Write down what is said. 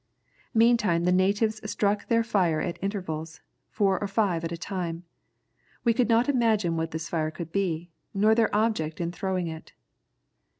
"Meantime the natives struck their fire at intervals, four or five at a time. We could not imagine what this fire could be, nor their object in throwing it.